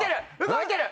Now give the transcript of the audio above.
動いてる？